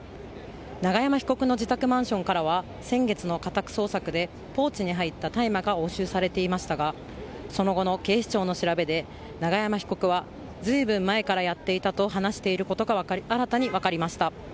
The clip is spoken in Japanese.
永山被告の自宅マンションからは先月の家宅捜索でポーチに入った大麻が押収されていましたがその後の警視庁の調べで永山被告は随分前からやっていたと話していることが新たに分かりました。